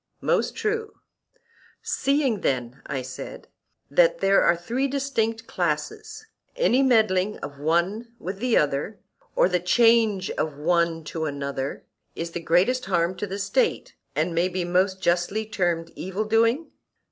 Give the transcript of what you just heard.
Most true. Seeing then, I said, that there are three distinct classes, any meddling of one with another, or the change of one into another, is the greatest harm to the State, and may be most justly termed evil doing?